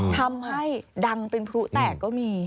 ทำให้ดังเป็นพลุแตกก็มี